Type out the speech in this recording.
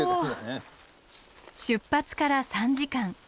出発から３時間。